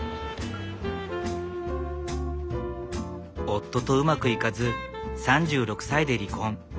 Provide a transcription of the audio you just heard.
夫とうまくいかず３６歳で離婚。